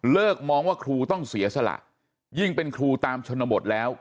มองว่าครูต้องเสียสละยิ่งเป็นครูตามชนบทแล้ว